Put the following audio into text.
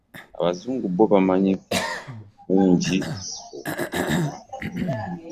Abazungu bbo bamanyi bukunji okukuuma .